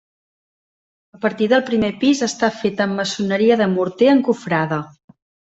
A partir del primer pis està feta amb maçoneria de morter encofrada.